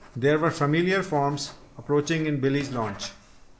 There were familiar forms approaching in Billy's launch!